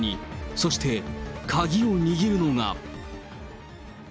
そして、鍵を握るのが。